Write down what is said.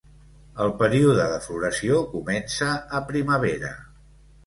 El període de floració comença a primavera.